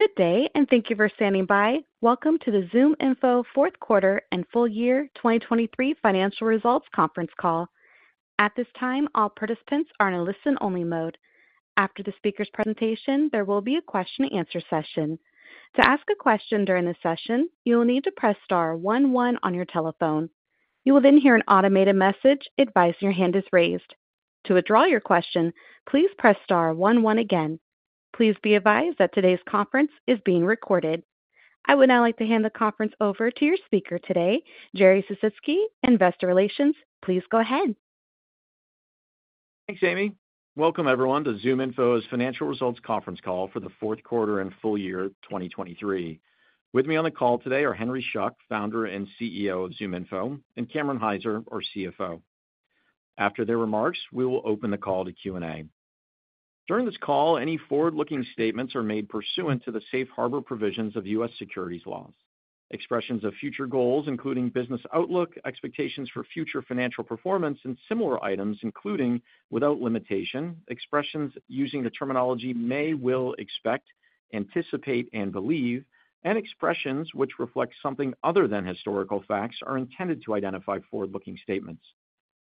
Good day and thank you for standing by. Welcome to the ZoomInfo fourth quarter and full year 2023 financial results conference call. At this time, all participants are in a listen-only mode. After the speaker's presentation, there will be a question-and-answer session. To ask a question during the session, you will need to press star one one on your telephone. You will then hear an automated message advising your hand is raised. To withdraw your question, please press star one one again. Please be advised that today's conference is being recorded. I would now like to hand the conference over to your speaker today, Jerry Sisitsky, Investor Relations. Please go ahead. Thanks, Amy. Welcome, everyone, to ZoomInfo's financial results conference call for the fourth quarter and full year 2023. With me on the call today are Henry Schuck, founder and CEO of ZoomInfo, and Cameron Hyzer, our CFO. After their remarks, we will open the call to Q&A. During this call, any forward-looking statements are made pursuant to the Safe Harbor provisions of U.S. securities laws. Expressions of future goals, including business outlook, expectations for future financial performance, and similar items, including without limitation, expressions using the terminology may, will, expect, anticipate, and believe, and expressions which reflect something other than historical facts are intended to identify forward-looking statements.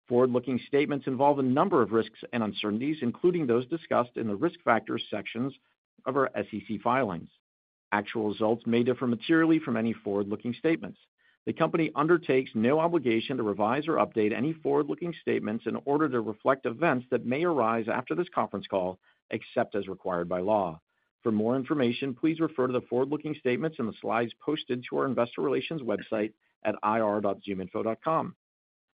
Forward-looking statements involve a number of risks and uncertainties, including those discussed in the risk factors sections of our SEC filings. Actual results may differ materially from any forward-looking statements. The company undertakes no obligation to revise or update any forward-looking statements in order to reflect events that may arise after this conference call, except as required by law. For more information, please refer to the forward-looking statements in the slides posted to our Investor Relations website at ir.zoominfo.com.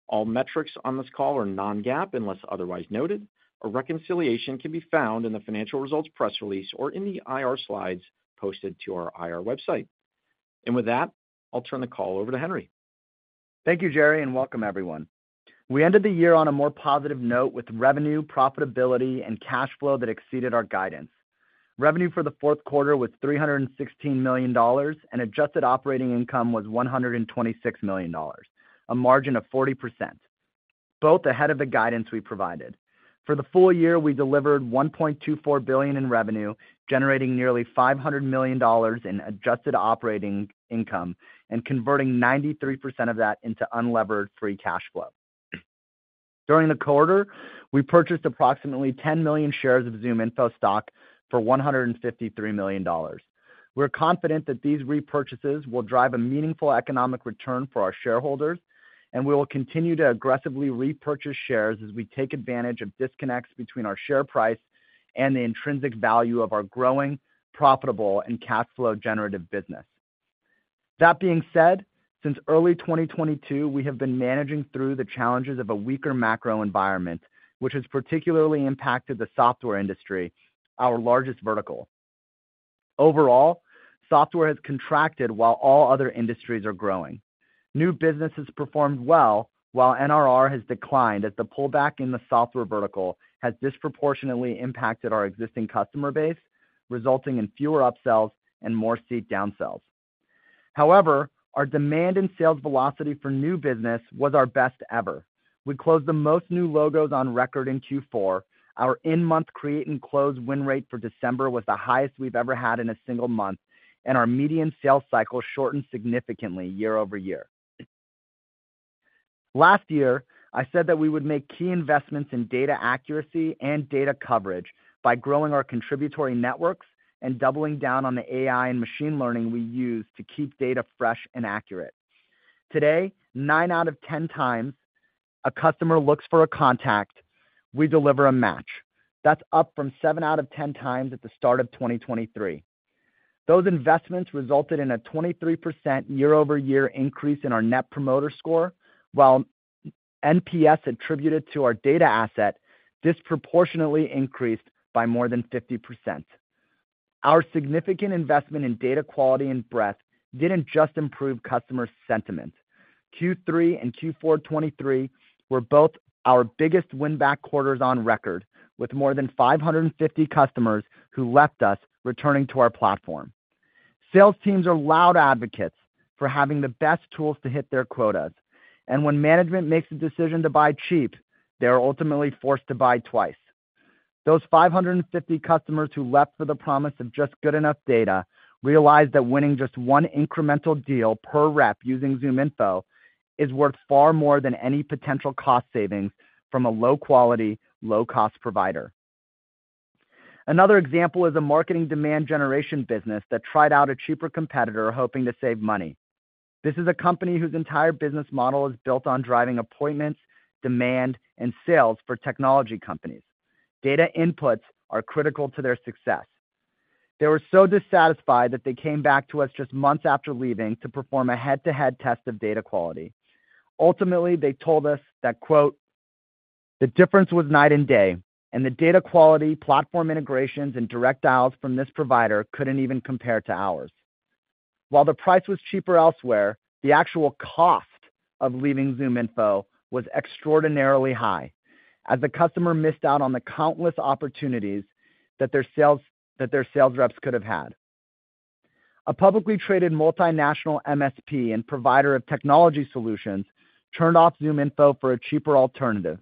All metrics on this call are non-GAAP unless otherwise noted, or reconciliation can be found in the financial results press release or in the IR slides posted to our IR website. With that, I'll turn the call over to Henry. Thank you, Jerry, and welcome, everyone. We ended the year on a more positive note with revenue, profitability, and cash flow that exceeded our guidance. Revenue for the fourth quarter was $316 million, and adjusted operating income was $126 million, a margin of 40%, both ahead of the guidance we provided. For the full year, we delivered $1.24 billion in revenue, generating nearly $500 million in adjusted operating income and converting 93% of that into unlevered free cash flow. During the quarter, we purchased approximately 10 million shares of ZoomInfo stock for $153 million. We're confident that these repurchases will drive a meaningful economic return for our shareholders, and we will continue to aggressively repurchase shares as we take advantage of disconnects between our share price and the intrinsic value of our growing, profitable, and cash flow-generative business. That being said, since early 2022, we have been managing through the challenges of a weaker macro environment, which has particularly impacted the software industry, our largest vertical. Overall, software has contracted while all other industries are growing. New businesses performed well, while NRR has declined as the pullback in the software vertical has disproportionately impacted our existing customer base, resulting in fewer upsells and more seat downsells. However, our demand and sales velocity for new business was our best ever. We closed the most new logos on record in Q4. Our in-month create and close win rate for December was the highest we've ever had in a single month, and our median sales cycle shortened significantly year-over-year. Last year, I said that we would make key investments in data accuracy and data coverage by growing our contributory networks and doubling down on the AI and machine learning we use to keep data fresh and accurate. Today, nine out of 10x a customer looks for a contact, we deliver a match. That's up from seven out of 10x at the start of 2023. Those investments resulted in a 23% year-over-year increase in our Net Promoter Score, while NPS attributed to our data asset disproportionately increased by more than 50%. Our significant investment in data quality and breadth didn't just improve customer sentiment. Q3 and Q4 2023 were both our biggest win-back quarters on record, with more than 550 customers who left us returning to our platform. Sales teams are loud advocates for having the best tools to hit their quotas, and when management makes a decision to buy cheap, they are ultimately forced to buy twice. Those 550 customers who left for the promise of just good enough data realized that winning just one incremental deal per rep using ZoomInfo is worth far more than any potential cost savings from a low-quality, low-cost provider. Another example is a marketing demand generation business that tried out a cheaper competitor hoping to save money. This is a company whose entire business model is built on driving appointments, demand, and sales for technology companies. Data inputs are critical to their success. They were so dissatisfied that they came back to us just months after leaving to perform a head-to-head test of data quality. Ultimately, they told us that, "The difference was night and day, and the data quality, platform integrations, and direct dials from this provider couldn't even compare to ours." While the price was cheaper elsewhere, the actual cost of leaving ZoomInfo was extraordinarily high, as the customer missed out on the countless opportunities that their sales reps could have had. A publicly traded multinational MSP and provider of technology solutions turned off ZoomInfo for a cheaper alternative.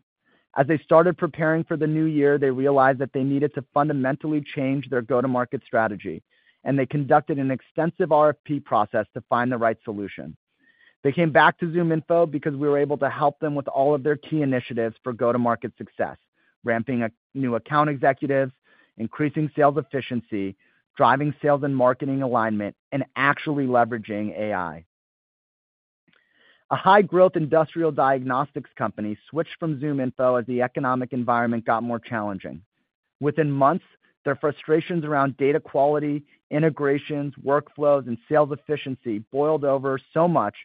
As they started preparing for the new year, they realized that they needed to fundamentally change their go-to-market strategy, and they conducted an extensive RFP process to find the right solution. They came back to ZoomInfo because we were able to help them with all of their key initiatives for go-to-market success: ramping new account executives, increasing sales efficiency, driving sales and marketing alignment, and actually leveraging AI. A high-growth industrial diagnostics company switched from ZoomInfo as the economic environment got more challenging. Within months, their frustrations around data quality, integrations, workflows, and sales efficiency boiled over so much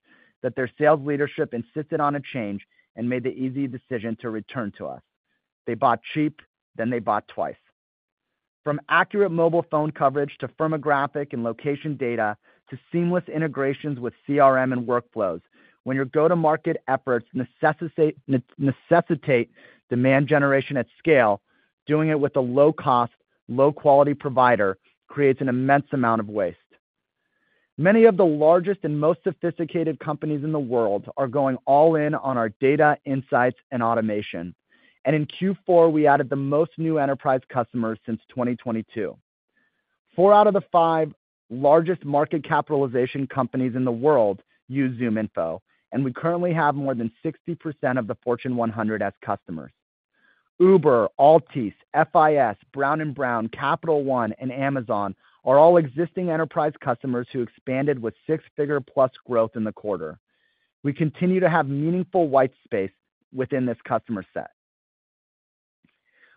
that their sales leadership insisted on a change and made the easy decision to return to us. They bought cheap, then they bought twice. From accurate mobile phone coverage to firmographic and location data to seamless integrations with CRM and workflows, when your go-to-market efforts necessitate demand generation at scale, doing it with a low-cost, low-quality provider creates an immense amount of waste. Many of the largest and most sophisticated companies in the world are going all in on our data, insights, and automation, and in Q4, we added the most new enterprise customers since 2022. Four out of the five largest market capitalization companies in the world use ZoomInfo, and we currently have more than 60% of the Fortune 100 as customers. Uber, Altice USA, FIS, Brown & Brown, Capital One, and Amazon are all existing enterprise customers who expanded with six-figure-plus growth in the quarter. We continue to have meaningful white space within this customer set.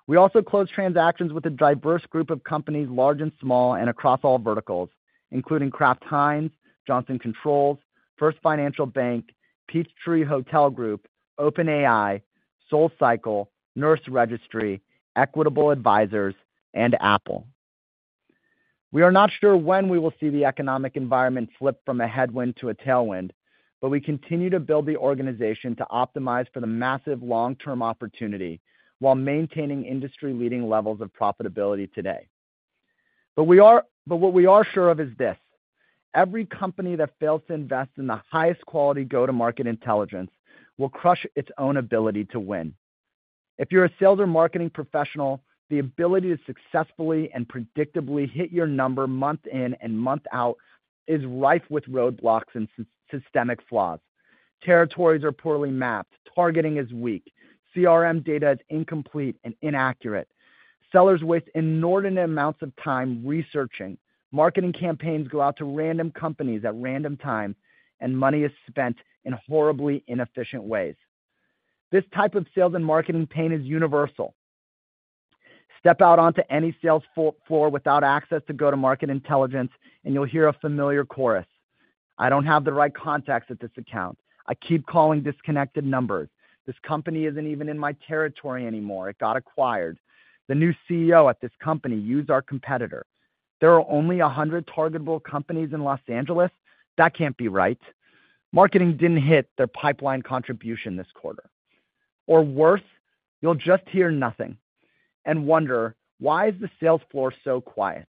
We also closed transactions with a diverse group of companies, large and small, and across all verticals, including Kraft Heinz, Johnson Controls, First Financial Bank, Peachtree Hotel Group, OpenAI, SoulCycle, NurseRegistry, Equitable Advisors, and Apple. We are not sure when we will see the economic environment flip from a headwind to a tailwind, but we continue to build the organization to optimize for the massive long-term opportunity while maintaining industry-leading levels of profitability today. But what we are sure of is this: every company that fails to invest in the highest quality go-to-market intelligence will crush its own ability to win. If you're a sales or marketing professional, the ability to successfully and predictably hit your number month-in and month-out is rife with roadblocks and systemic flaws. Territories are poorly mapped, targeting is weak, CRM data is incomplete and inaccurate, sellers waste inordinate amounts of time researching, marketing campaigns go out to random companies at random times, and money is spent in horribly inefficient ways. This type of sales and marketing pain is universal. Step out onto any sales floor without access to go-to-market intelligence, and you'll hear a familiar chorus: "I don't have the right contacts at this account. I keep calling disconnected numbers. This company isn't even in my territory anymore. It got acquired. The new CEO at this company used our competitor. There are only 100 targetable companies in Los Angeles. That can't be right. Marketing didn't hit their pipeline contribution this quarter." Or worse, you'll just hear nothing and wonder, "Why is the sales floor so quiet?"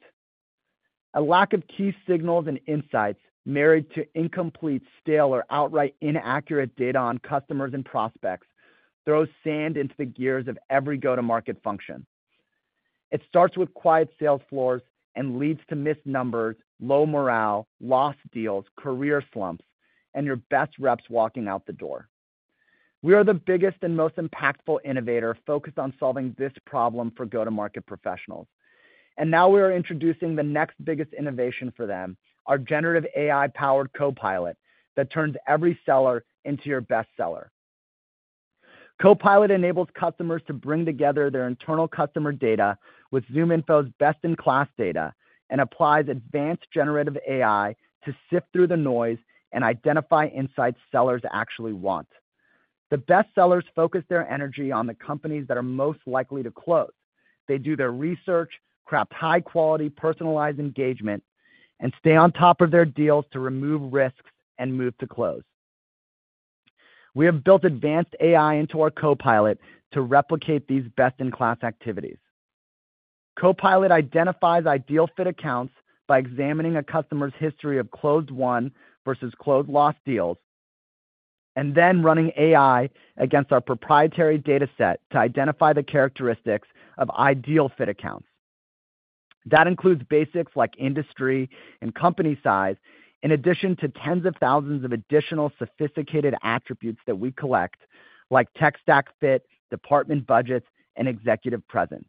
A lack of key signals and insights married to incomplete, stale, or outright inaccurate data on customers and prospects throws sand into the gears of every go-to-market function. It starts with quiet sales floors and leads to missed numbers, low morale, lost deals, career slumps, and your best reps walking out the door. We are the biggest and most impactful innovator focused on solving this problem for go-to-market professionals, and now we are introducing the next biggest innovation for them, our generative AI-powered Copilot that turns every seller into your best seller. Copilot enables customers to bring together their internal customer data with ZoomInfo's best-in-class data and applies advanced generative AI to sift through the noise and identify insights sellers actually want. The best sellers focus their energy on the companies that are most likely to close. They do their research, craft high-quality, personalized engagement, and stay on top of their deals to remove risks and move to close. We have built advanced AI into our Copilot to replicate these best-in-class activities. Copilot identifies ideal-fit accounts by examining a customer's history of closed-won versus closed-lost deals and then running AI against our proprietary dataset to identify the characteristics of ideal-fit accounts. That includes basics like industry and company size, in addition to tens of thousands of additional sophisticated attributes that we collect like tech stack fit, department budgets, and executive presence.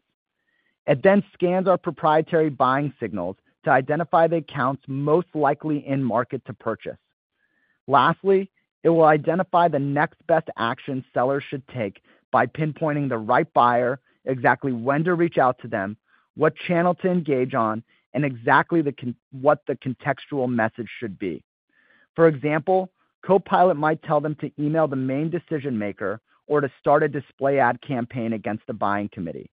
It then scans our proprietary buying signals to identify the accounts most likely in market to purchase. Lastly, it will identify the next best action sellers should take by pinpointing the right buyer, exactly when to reach out to them, what channel to engage on, and exactly what the contextual message should be. For example, Copilot might tell them to email the main decision maker or to start a display ad campaign against the buying committee.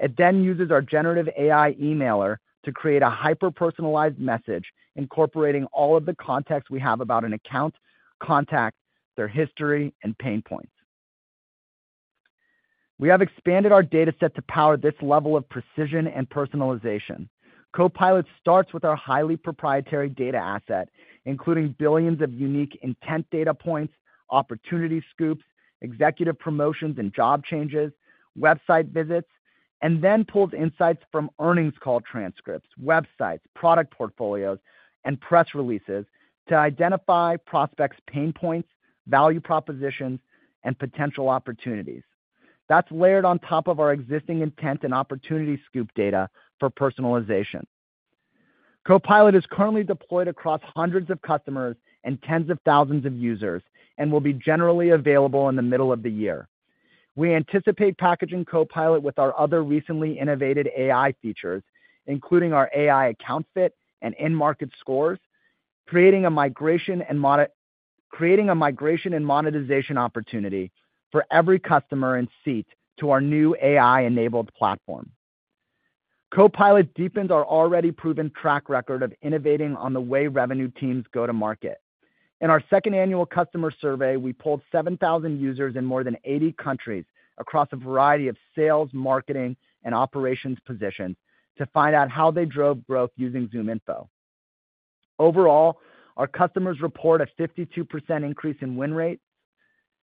It then uses our generative AI emailer to create a hyper-personalized message incorporating all of the context we have about an account, contact, their history, and pain points. We have expanded our dataset to power this level of precision and personalization. Copilot starts with our highly proprietary data asset, including billions of unique intent data points, opportunity scoops, executive promotions and job changes, website visits, and then pulls insights from earnings call transcripts, websites, product portfolios, and press releases to identify prospects' pain points, value propositions, and potential opportunities. That's layered on top of our existing intent and opportunity scoop data for personalization. Copilot is currently deployed across hundreds of customers and tens of thousands of users and will be generally available in the middle of the year. We anticipate packaging Copilot with our other recently innovated AI features, including our AI account fit and in-market scores, creating a migration and monetization opportunity for every customer and seat to our new AI-enabled platform. Copilot deepens our already proven track record of innovating on the way revenue teams go to market. In our second annual customer survey, we pulled 7,000 users in more than 80 countries across a variety of sales, marketing, and operations positions to find out how they drove growth using ZoomInfo. Overall, our customers report a 52% increase in win rates,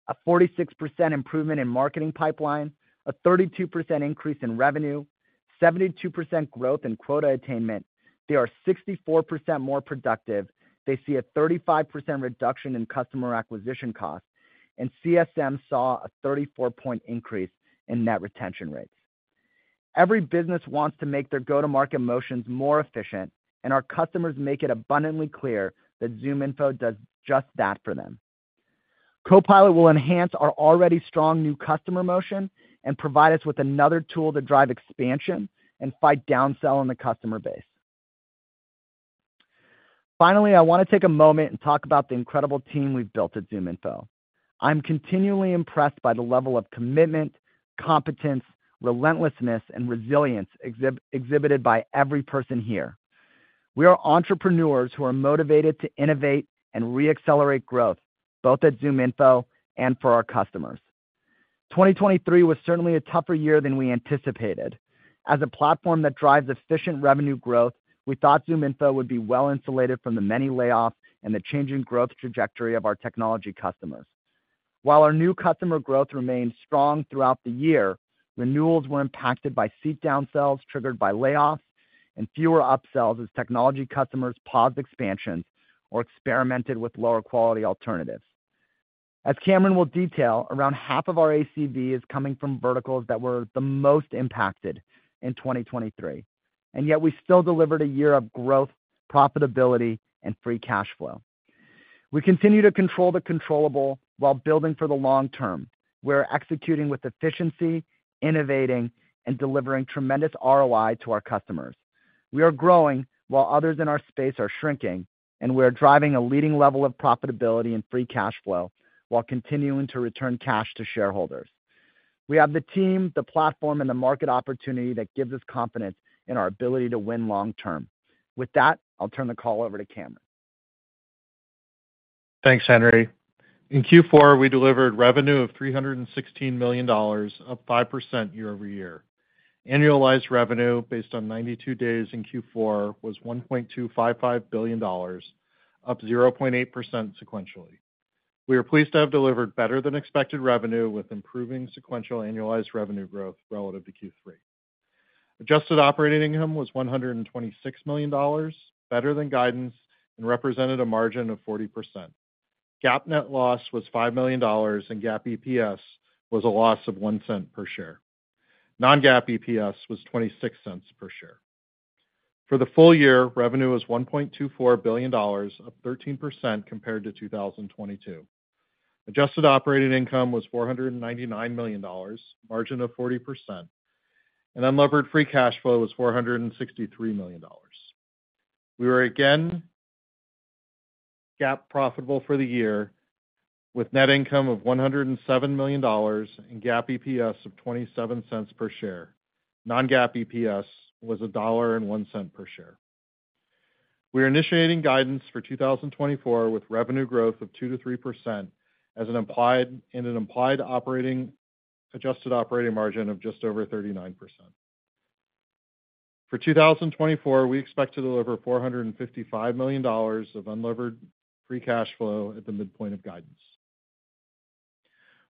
a 46% improvement in marketing pipeline, a 32% increase in revenue, 72% growth in quota attainment. They are 64% more productive. They see a 35% reduction in customer acquisition costs, and CSM saw a 34-point increase in net retention rates. Every business wants to make their go-to-market motions more efficient, and our customers make it abundantly clear that ZoomInfo does just that for them. Copilot will enhance our already strong new customer motion and provide us with another tool to drive expansion and fight downsell in the customer base. Finally, I want to take a moment and talk about the incredible team we've built at ZoomInfo. I'm continually impressed by the level of commitment, competence, relentlessness, and resilience exhibited by every person here. We are entrepreneurs who are motivated to innovate and reaccelerate growth, both at ZoomInfo and for our customers. 2023 was certainly a tougher year than we anticipated. As a platform that drives efficient revenue growth, we thought ZoomInfo would be well-insulated from the many layoffs and the changing growth trajectory of our technology customers. While our new customer growth remained strong throughout the year, renewals were impacted by seat downsells triggered by layoffs and fewer upsells as technology customers paused expansions or experimented with lower-quality alternatives. As Cameron will detail, around half of our ACV is coming from verticals that were the most impacted in 2023, and yet we still delivered a year of growth, profitability, and free cash flow. We continue to control the controllable while building for the long term. We are executing with efficiency, innovating, and delivering tremendous ROI to our customers. We are growing while others in our space are shrinking, and we are driving a leading level of profitability and free cash flow while continuing to return cash to shareholders. We have the team, the platform, and the market opportunity that gives us confidence in our ability to win long term. With that, I'll turn the call over to Cameron. Thanks, Henry. In Q4, we delivered revenue of $316 million, up 5% year-over-year. Annualized revenue based on 92 days in Q4 was $1.255 billion, up 0.8% sequentially. We are pleased to have delivered better-than-expected revenue with improving sequential annualized revenue growth relative to Q3. Adjusted operating income was $126 million, better than guidance, and represented a margin of 40%. GAAP net loss was $5 million, and GAAP EPS was a loss of $0.01 per share. Non-GAAP EPS was $0.26 per share. For the full year, revenue was $1.24 billion, up 13% compared to 2022. Adjusted operating income was $499 million, margin of 40%, and unlevered free cash flow was $463 million. We were again GAAP profitable for the year with net income of $107 million and GAAP EPS of $0.27 per share. Non-GAAP EPS was $1.01 per share. We are initiating guidance for 2024 with revenue growth of 2%-3% and an implied adjusted operating margin of just over 39%. For 2024, we expect to deliver $455 million of unlevered free cash flow at the midpoint of guidance.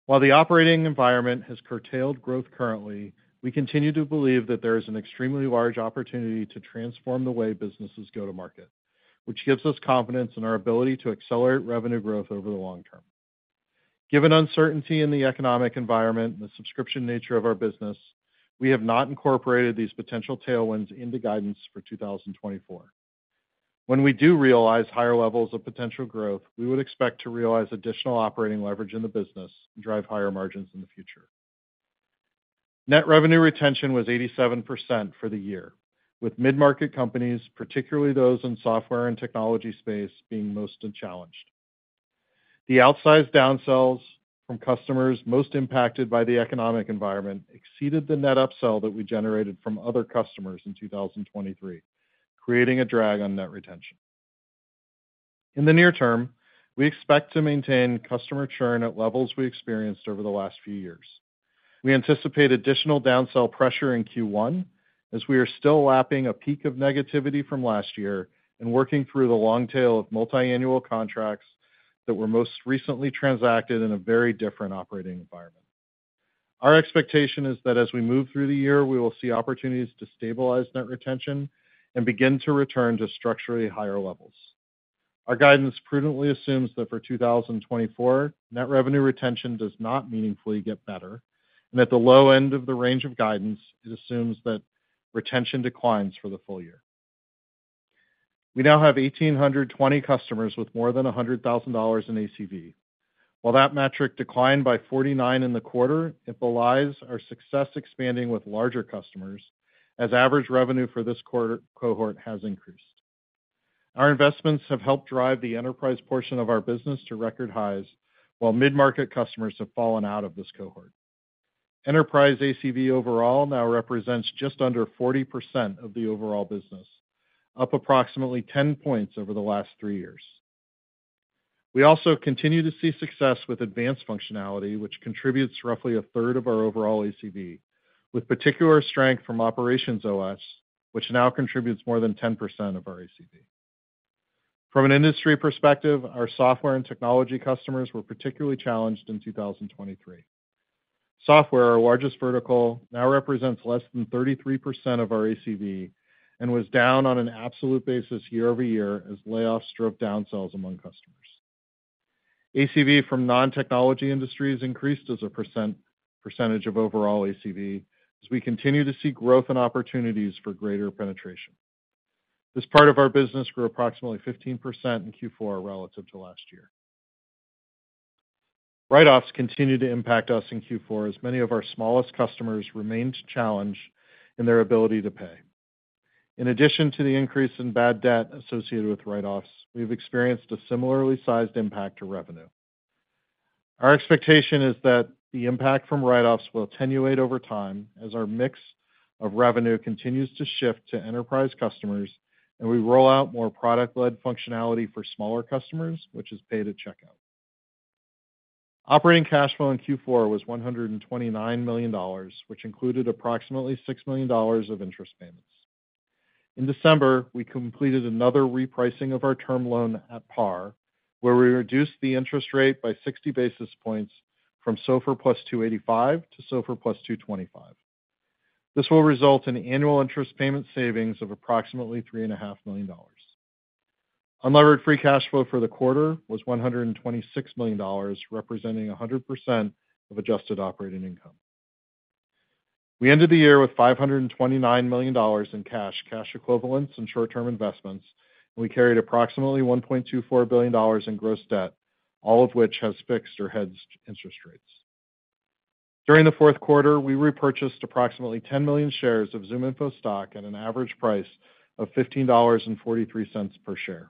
While the operating environment has curtailed growth currently, we continue to believe that there is an extremely large opportunity to transform the way businesses go to market, which gives us confidence in our ability to accelerate revenue growth over the long term. Given uncertainty in the economic environment and the subscription nature of our business, we have not incorporated these potential tailwinds into guidance for 2024. When we do realize higher levels of potential growth, we would expect to realize additional operating leverage in the business and drive higher margins in the future. Net revenue retention was 87% for the year, with mid-market companies, particularly those in the software and technology space, being most challenged. The outsized downsells from customers most impacted by the economic environment exceeded the net upsell that we generated from other customers in 2023, creating a drag on net retention. In the near term, we expect to maintain customer churn at levels we experienced over the last few years. We anticipate additional downsell pressure in Q1 as we are still lapping a peak of negativity from last year and working through the long tail of multi-annual contracts that were most recently transacted in a very different operating environment. Our expectation is that as we move through the year, we will see opportunities to stabilize net retention and begin to return to structurally higher levels. Our guidance prudently assumes that for 2024, net revenue retention does not meaningfully get better, and at the low end of the range of guidance, it assumes that retention declines for the full year. We now have 1,820 customers with more than $100,000 in ACV. While that metric declined by 49 in the quarter, it belies our success expanding with larger customers as average revenue for this cohort has increased. Our investments have helped drive the enterprise portion of our business to record highs, while mid-market customers have fallen out of this cohort. Enterprise ACV overall now represents just under 40% of the overall business, up approximately 10 points over the last three years. We also continue to see success with advanced functionality, which contributes roughly a third of our overall ACV, with particular strength from OperationsOS, which now contributes more than 10% of our ACV. From an industry perspective, our software and technology customers were particularly challenged in 2023. Software, our largest vertical, now represents less than 33% of our ACV and was down on an absolute basis year-over-year as layoffs drove downsells among customers. ACV from non-technology industries increased as a percentage of overall ACV as we continue to see growth and opportunities for greater penetration. This part of our business grew approximately 15% in Q4 relative to last year. Write-offs continue to impact us in Q4 as many of our smallest customers remain challenged in their ability to pay. In addition to the increase in bad debt associated with write-offs, we have experienced a similarly sized impact to revenue. Our expectation is that the impact from write-offs will attenuate over time as our mix of revenue continues to shift to enterprise customers, and we roll out more product-led functionality for smaller customers, which is paid at checkout. Operating cash flow in Q4 was $129 million, which included approximately $6 million of interest payments. In December, we completed another repricing of our term loan at par, where we reduced the interest rate by 60 basis points from SOFR+ 285 to SOFR+ 225. This will result in annual interest payment savings of approximately $3.5 million. Unlevered free cash flow for the quarter was $126 million, representing 100% of adjusted operating income. We ended the year with $529 million in cash, cash equivalents, and short-term investments, and we carried approximately $1.24 billion in gross debt, all of which has fixed or hedged interest rates. During the fourth quarter, we repurchased approximately 10 million shares of ZoomInfo stock at an average price of $15.43 per share.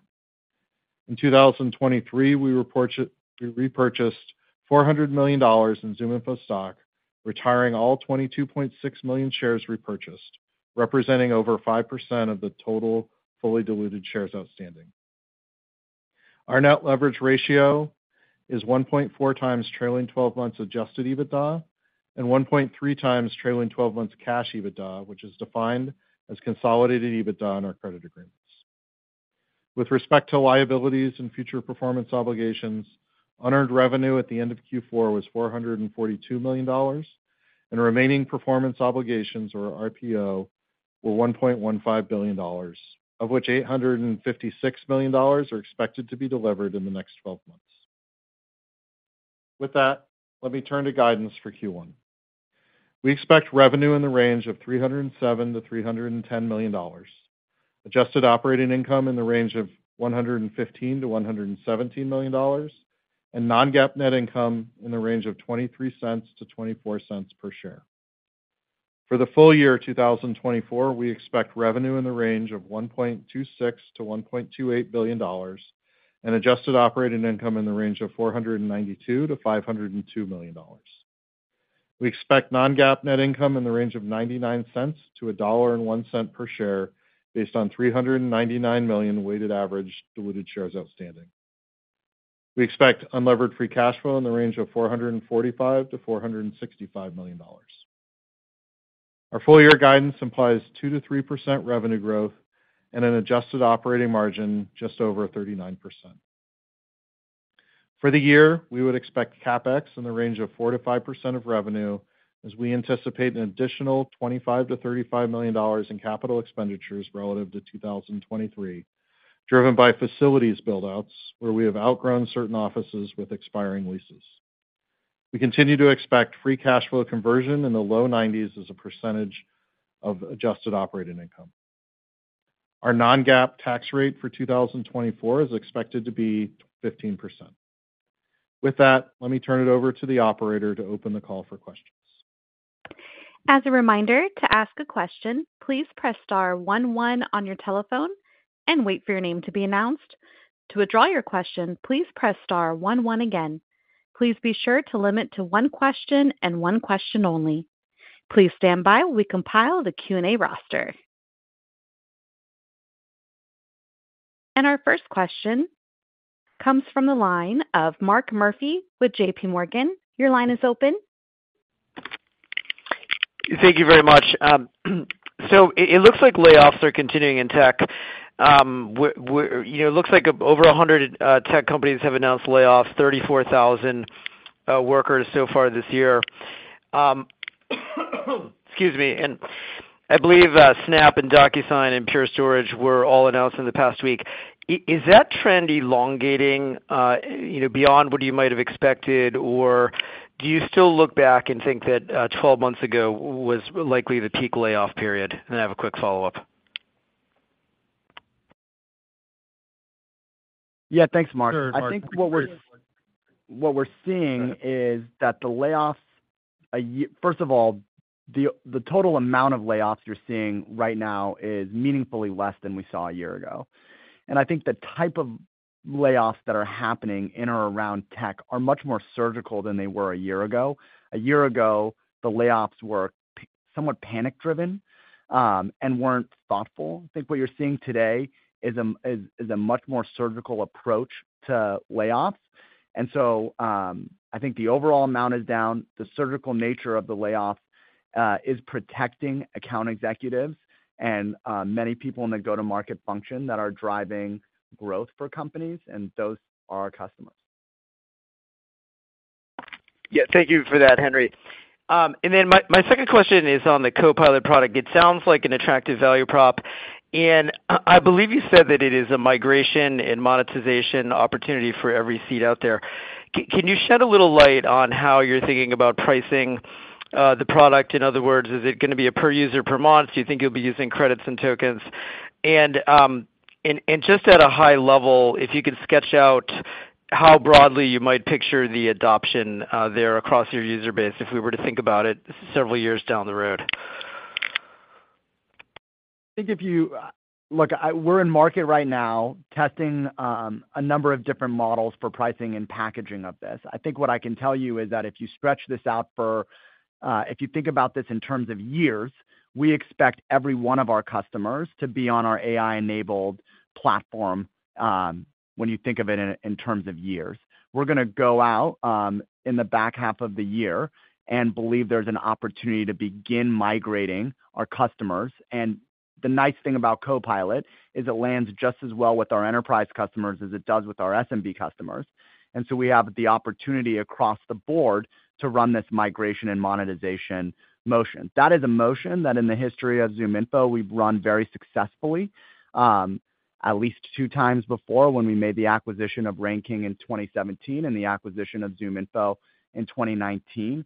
In 2023, we repurchased $400 million in ZoomInfo stock, retiring all 22.6 million shares repurchased, representing over 5% of the total fully diluted shares outstanding. Our net leverage ratio is 1.4x trailing 12 months Adjusted EBITDA and 1.3x trailing 12 months cash EBITDA, which is defined as consolidated EBITDA on our credit agreements. With respect to liabilities and future performance obligations, unearned revenue at the end of Q4 was $442 million, and remaining performance obligations, or RPO, were $1.15 billion, of which $856 million are expected to be delivered in the next 12 months. With that, let me turn to guidance for Q1. We expect revenue in the range of $307 million-$310 million, adjusted operating income in the range of $115 million-$117 million, and Non-GAAP net income in the range of $0.23-$0.24 per share. For the full year of 2024, we expect revenue in the range of $1.26 billion-$1.28 billion and adjusted operating income in the range of $492 million-$502 million. We expect Non-GAAP net income in the range of $0.99-$1.01 per share based on 399 million weighted average diluted shares outstanding. We expect unlevered free cash flow in the range of $445 million-$465 million. Our full-year guidance implies 2%-3% revenue growth and an adjusted operating margin just over 39%. For the year, we would expect CapEx in the range of 4%-5% of revenue as we anticipate an additional $25-$35 million in capital expenditures relative to 2023, driven by facilities buildouts where we have outgrown certain offices with expiring leases. We continue to expect free cash flow conversion in the low 90s as a percentage of adjusted operating income. Our non-GAAP tax rate for 2024 is expected to be 15%. With that, let me turn it over to the operator to open the call for questions. As a reminder, to ask a question, please press star one one on your telephone and wait for your name to be announced. To withdraw your question, please press star one one again. Please be sure to limit to one question and one question only. Please stand by while we compile the Q&A roster. Our first question comes from the line of Mark Murphy with JPMorgan. Your line is open. Thank you very much. It looks like layoffs are continuing in tech. It looks like over 100 tech companies have announced layoffs, 34,000 workers so far this year. Excuse me. I believe Snap and DocuSign and Pure Storage were all announced in the past week. Is that trend elongating beyond what you might have expected, or do you still look back and think that 12 months ago was likely the peak layoff period? And then I have a quick follow-up. Yeah, thanks, Mark. I think what we're seeing is that the layoffs, first of all, the total amount of layoffs you're seeing right now is meaningfully less than we saw a year ago. And I think the type of layoffs that are happening in or around tech are much more surgical than they were a year ago. A year ago, the layoffs were somewhat panic-driven and weren't thoughtful. I think what you're seeing today is a much more surgical approach to layoffs. And so I think the overall amount is down. The surgical nature of the layoffs is protecting account executives and many people in the go-to-market function that are driving growth for companies, and those are our customers. Yeah, thank you for that, Henry. And then my second question is on the Copilot product. It sounds like an attractive value prop. And I believe you said that it is a migration and monetization opportunity for every seat out there. Can you shed a little light on how you're thinking about pricing the product? In other words, is it going to be a per user, per month? Do you think you'll be using credits and tokens? And just at a high level, if you could sketch out how broadly you might picture the adoption there across your user base if we were to think about it several years down the road. I think if you look, we're in market right now testing a number of different models for pricing and packaging of this. I think what I can tell you is that if you think about this in terms of years, we expect every one of our customers to be on our AI-enabled platform when you think of it in terms of years. We're going to go out in the back half of the year and believe there's an opportunity to begin migrating our customers. The nice thing about Copilot is it lands just as well with our enterprise customers as it does with our SMB customers. So we have the opportunity across the board to run this migration and monetization motion. That is a motion that in the history of ZoomInfo, we've run very successfully, at least two times before when we made the acquisition of RainKing in 2017 and the acquisition of ZoomInfo in 2019.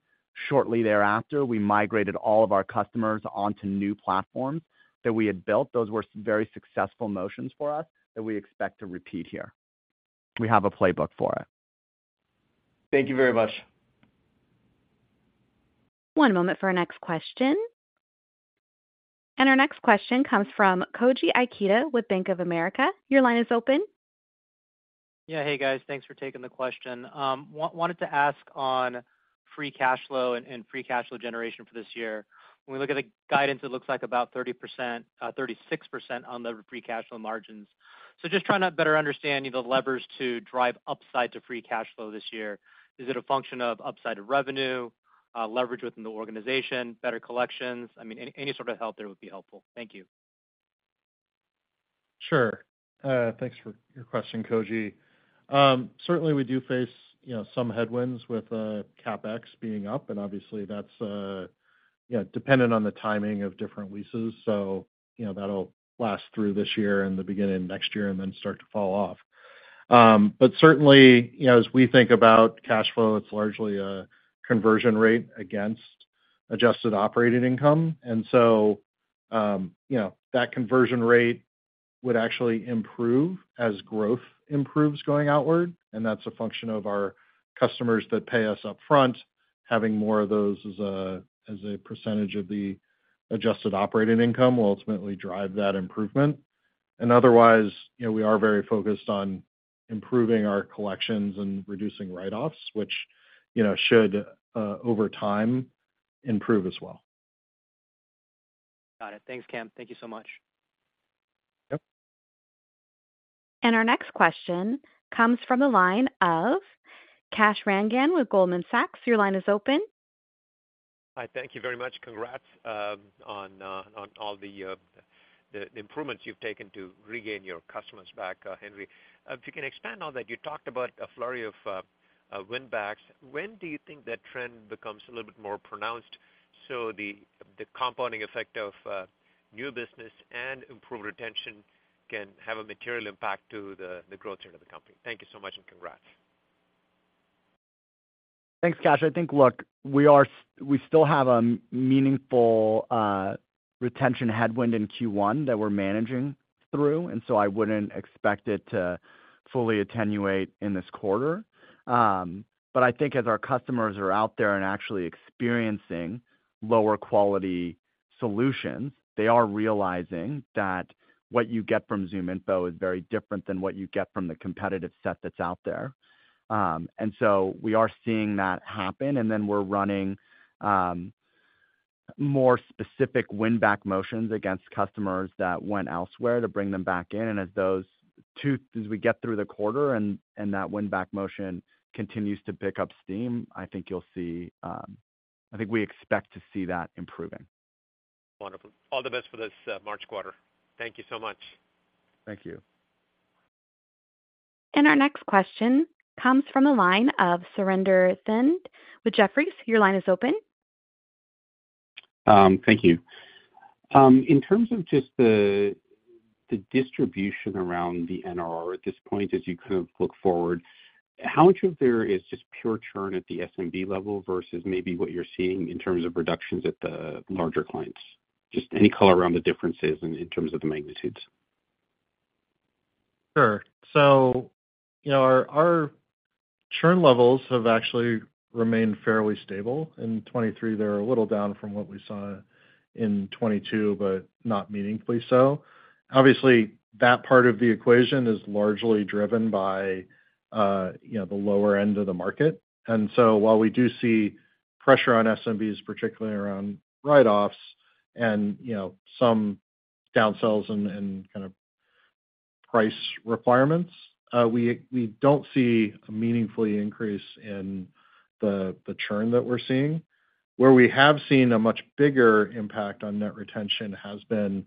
Shortly thereafter, we migrated all of our customers onto new platforms that we had built. Those were very successful motions for us that we expect to repeat here. We have a playbook for it. Thank you very much. One moment for our next question. Our next question comes from Koji Ikeda with Bank of America. Your line is open. Yeah, hey, guys. Thanks for taking the question. Wanted to ask on free cash flow and free cash flow generation for this year. When we look at the guidance, it looks like about 36% on the free cash flow margins. So just trying to better understand the levers to drive upside to free cash flow this year. Is it a function of upside of revenue, leverage within the organization, better collections? I mean, any sort of help there would be helpful. Thank you. Sure. Thanks for your question, Koji. Certainly, we do face some headwinds with CapEx being up, and obviously, that's dependent on the timing of different leases. So that'll last through this year and the beginning of next year and then start to fall off. But certainly, as we think about cash flow, it's largely a conversion rate against adjusted operating income. And so that conversion rate would actually improve as growth improves going outward. And that's a function of our customers that pay us upfront. Having more of those as a percentage of the adjusted operating income will ultimately drive that improvement. And otherwise, we are very focused on improving our collections and reducing write-offs, which should over time improve as well. Got it. Thanks, Cam. Thank you so much. Yep. Our next question comes from the line of Kash Rangan with Goldman Sachs. Your line is open. Hi, thank you very much. Congrats on all the improvements you've taken to regain your customers back, Henry. If you can expand on that, you talked about a flurry of winbacks. When do you think that trend becomes a little bit more pronounced so the compounding effect of new business and improved retention can have a material impact to the growth trend of the company? Thank you so much and congrats. Thanks, Kash. I think, look, we still have a meaningful retention headwind in Q1 that we're managing through, and so I wouldn't expect it to fully attenuate in this quarter. But I think as our customers are out there and actually experiencing lower-quality solutions, they are realizing that what you get from ZoomInfo is very different than what you get from the competitive set that's out there. And so we are seeing that happen, and then we're running more specific winback motions against customers that went elsewhere to bring them back in. And as we get through the quarter and that winback motion continues to pick up steam, I think you'll see I think we expect to see that improving. Wonderful. All the best for this March quarter. Thank you so much. Thank you. Our next question comes from the line of Surinder Thind with Jefferies. Your line is open. Thank you. In terms of just the distribution around the NRR at this point, as you kind of look forward, how much of there is just pure churn at the SMB level versus maybe what you're seeing in terms of reductions at the larger clients? Just any color around the differences in terms of the magnitudes. Sure. So our churn levels have actually remained fairly stable. In 2023, they're a little down from what we saw in 2022, but not meaningfully so. Obviously, that part of the equation is largely driven by the lower end of the market. And so while we do see pressure on SMBs, particularly around write-offs and some downsells and kind of price requirements, we don't see a meaningfully increase in the churn that we're seeing. Where we have seen a much bigger impact on net retention has been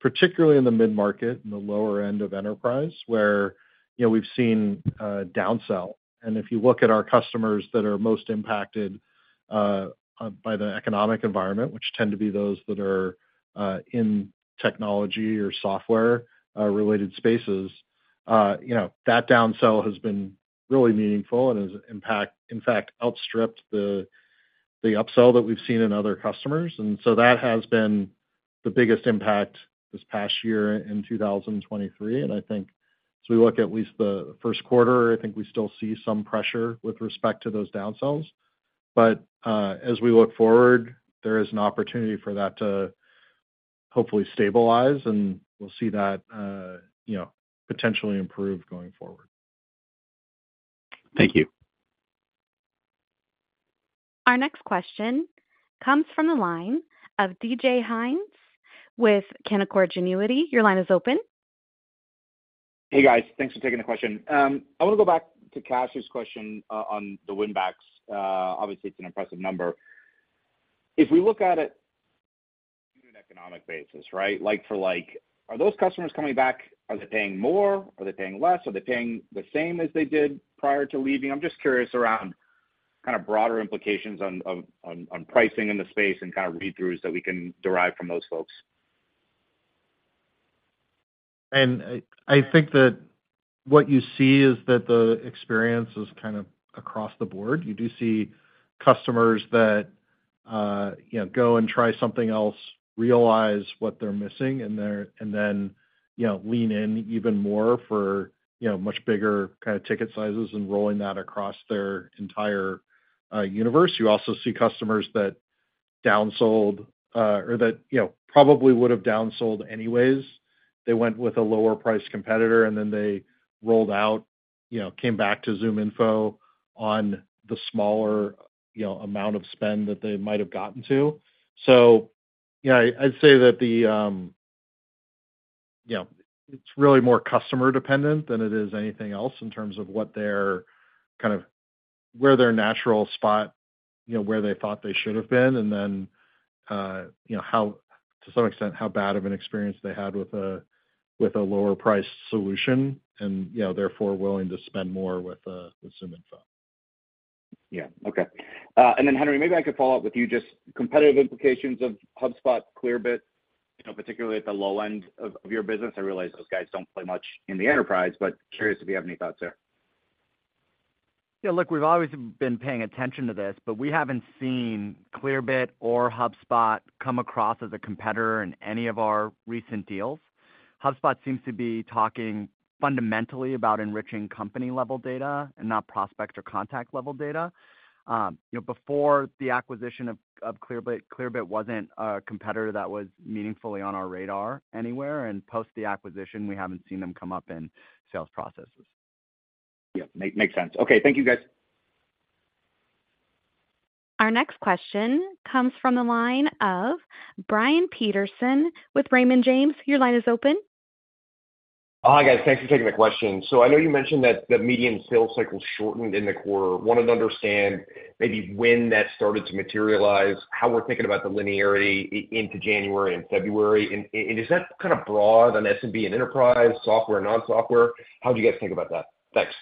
particularly in the mid-market, in the lower end of enterprise, where we've seen a downsell. And if you look at our customers that are most impacted by the economic environment, which tend to be those that are in technology or software-related spaces, that downsell has been really meaningful and has, in fact, outstripped the upsell that we've seen in other customers. And so that has been the biggest impact this past year in 2023. And I think as we look at least the first quarter, I think we still see some pressure with respect to those downsells. But as we look forward, there is an opportunity for that to hopefully stabilize, and we'll see that potentially improve going forward. Thank you. Our next question comes from the line of DJ Hynes with Canaccord Genuity. Your line is open. Hey, guys. Thanks for taking the question. I want to go back to Kash's question on the winbacks. Obviously, it's an impressive number. If we look at it on an economic basis, right, for are those customers coming back? Are they paying more? Are they paying less? Are they paying the same as they did prior to leaving? I'm just curious around kind of broader implications on pricing in the space and kind of read-throughs that we can derive from those folks. I think that what you see is that the experience is kind of across the board. You do see customers that go and try something else, realize what they're missing, and then lean in even more for much bigger kind of ticket sizes and rolling that across their entire universe. You also see customers that downsold or that probably would have downsold anyways. They went with a lower-priced competitor, and then they rolled out, came back to ZoomInfo on the smaller amount of spend that they might have gotten to. So I'd say that it's really more customer-dependent than it is anything else in terms of kind of where their natural spot, where they thought they should have been, and then to some extent, how bad of an experience they had with a lower-priced solution and therefore willing to spend more with ZoomInfo. Yeah. Okay. And then, Henry, maybe I could follow up with you. Just competitive implications of HubSpot Clearbit, particularly at the low end of your business. I realize those guys don't play much in the enterprise, but curious if you have any thoughts there. Yeah. Look, we've always been paying attention to this, but we haven't seen Clearbit or HubSpot come across as a competitor in any of our recent deals. HubSpot seems to be talking fundamentally about enriching company-level data and not prospect or contact-level data. Before the acquisition of Clearbit, Clearbit wasn't a competitor that was meaningfully on our radar anywhere. And post the acquisition, we haven't seen them come up in sales processes. Yeah. Makes sense. Okay. Thank you, guys. Our next question comes from the line of Brian Peterson with Raymond James. Your line is open. Hi, guys. Thanks for taking the question. So I know you mentioned that the median sales cycle shortened in the quarter. Wanted to understand maybe when that started to materialize, how we're thinking about the linearity into January and February. And is that kind of broad on SMB and enterprise, software, non-software? How do you guys think about that? Thanks.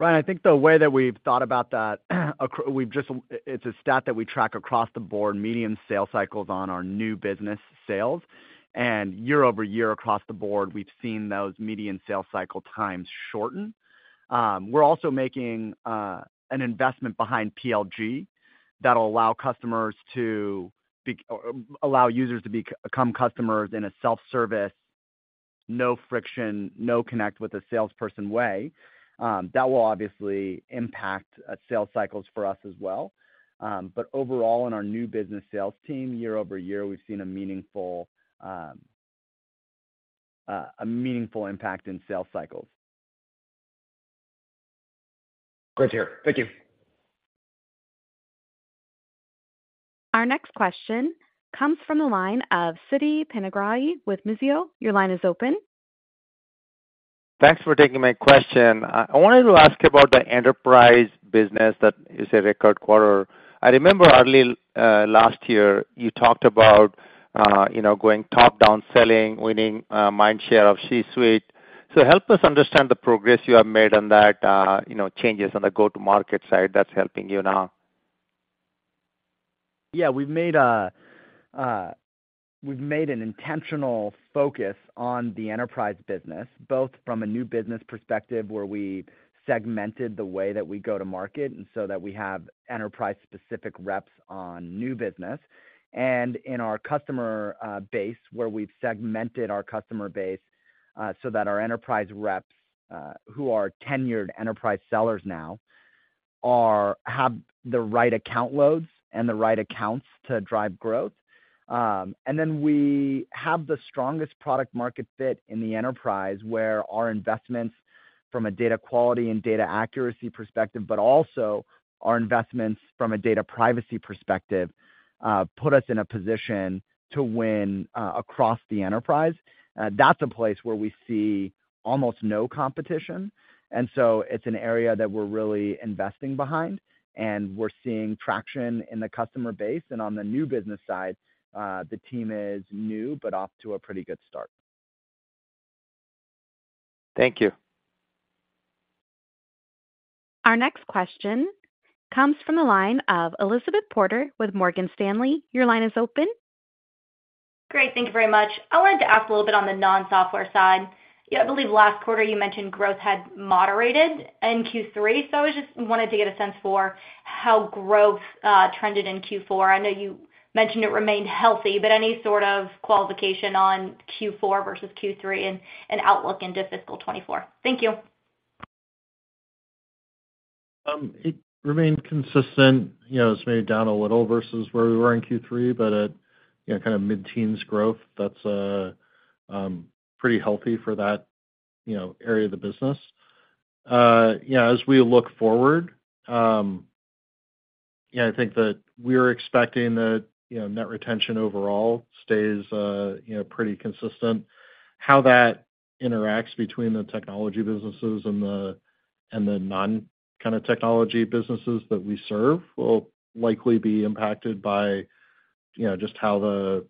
Brian, I think the way that we've thought about that. It's a stat that we track across the board, median sales cycles on our new business sales. Year-over-year, across the board, we've seen those median sales cycle times shorten. We're also making an investment behind PLG that'll allow customers to allow users to become customers in a self-service, no friction, no connect with a salesperson way. That will obviously impact sales cycles for us as well. But overall, in our new business sales team, year-over-year, we've seen a meaningful impact in sales cycles. Great to hear. Thank you. Our next question comes from the line of Siti Panigrahi with Mizuho. Your line is open. Thanks for taking my question. I wanted to ask about the enterprise business that you said record quarter. I remember early last year, you talked about going top-down selling, winning mindshare of C-suite. So help us understand the progress you have made on that changes on the go-to-market side that's helping you now. Yeah. We've made an intentional focus on the enterprise business, both from a new business perspective where we segmented the way that we go to market and so that we have enterprise-specific reps on new business, and in our customer base where we've segmented our customer base so that our enterprise reps who are tenured enterprise sellers now have the right account loads and the right accounts to drive growth. And then we have the strongest product-market fit in the enterprise where our investments from a data quality and data accuracy perspective, but also our investments from a data privacy perspective, put us in a position to win across the enterprise. That's a place where we see almost no competition. And so it's an area that we're really investing behind, and we're seeing traction in the customer base. On the new business side, the team is new but off to a pretty good start. Thank you. Our next question comes from the line of Elizabeth Porter with Morgan Stanley. Your line is open. Great. Thank you very much. I wanted to ask a little bit on the non-software side. I believe last quarter, you mentioned growth had moderated in Q3, so I just wanted to get a sense for how growth trended in Q4. I know you mentioned it remained healthy, but any sort of qualification on Q4 versus Q3 and outlook into fiscal 2024? Thank you. It remained consistent. It's maybe down a little versus where we were in Q3, but at kind of mid-teens growth, that's pretty healthy for that area of the business. As we look forward, I think that we're expecting that net retention overall stays pretty consistent. How that interacts between the technology businesses and the non-kind of technology businesses that we serve will likely be impacted by just how the